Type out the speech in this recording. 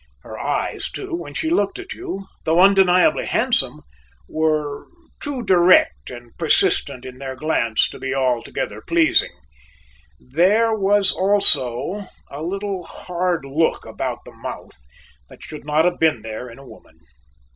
Her eyes, too, when she looked at you, though undeniably handsome, were too direct and persistent in their glance to be altogether pleasing; there was also a little hard look about the mouth that should not have been there in a woman.